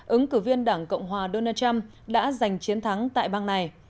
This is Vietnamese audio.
ứng cử viên đảng cộng hòa donald trump đã giành chiến thắng tại bang này